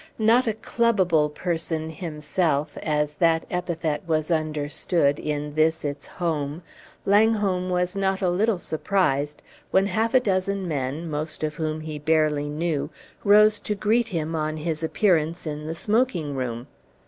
Not a "clubable" person himself, as that epithet was understood in this its home, Langholm was not a little surprised when half a dozen men (most of whom he barely knew) rose to greet him on his appearance in the smoking room.